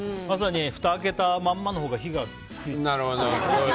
まさにふた開けたまんまのほうが火がって。